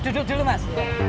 duduk dulu mas